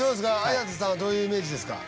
綾瀬さんはどういうイメージですか？